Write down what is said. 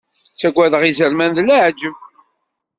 Ttagadeɣ izerman d leεǧab.